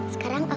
sekarang aku bisa